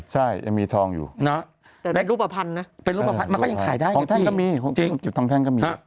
ใช่ยังมีทองอยู่แต่เป็นรูปภัณฑ์นะเป็นรูปภัณฑ์มันก็ยังขายได้ทองแท่งก็มีจริงทองแท่งก็มี